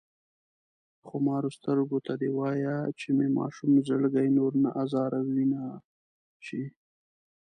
خمارو سترګو ته دې وايه چې مې ماشوم زړګی نور نه ازاروينه شي